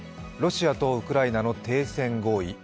ロシアとウクライナの停戦合意。